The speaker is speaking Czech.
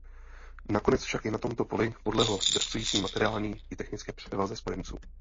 Nakonec však i na tomto poli podlehlo zdrcující materiální i technické převaze Spojenců.